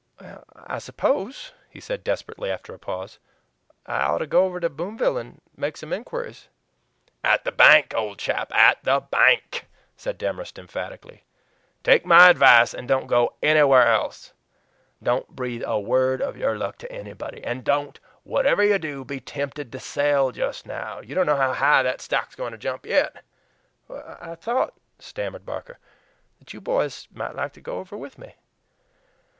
"I suppose," he said desperately, after a pause, "I ought to go over to Boomville and make some inquiries." "At the bank, old chap; at the bank!" said Demorest emphatically. "Take my advice and don't go ANYWHERE ELSE. Don't breathe a word of your luck to anybody. And don't, whatever you do, be tempted to sell just now; you don't know how high that stock's going to jump yet." "I thought," stammered Barker, "that you boys might like to go over with me."